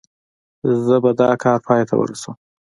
زه به دا کار پای ته ورسوم.